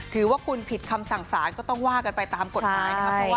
ถือว่าคุณผิดคำสั่งสารก็ต้องว่ากันไปตามกฎหมายนะครับ